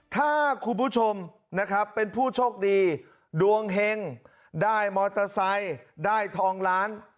ถ้าคุณผู้ชมนะครับเป็นผู้โชคดีดวงเฮงได้มอเตอร์ไซค์ได้ทองล้าน